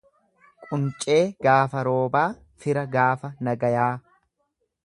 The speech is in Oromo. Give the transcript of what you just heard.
Quncee gaafa roobaa, fira gaafa nagayaa.